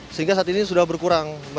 sehingga saat ini sudah berkurang